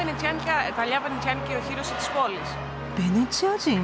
ベネチア人？